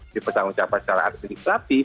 di petang ucap secara artisipatif